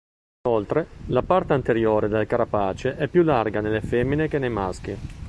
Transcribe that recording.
Inoltre, la parte anteriore del carapace è più larga nelle femmine che nei maschi.